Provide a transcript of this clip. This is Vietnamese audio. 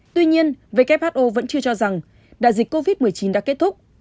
tuy nhiên who vẫn chưa cho rằng đại dịch covid một mươi chín đã kết thúc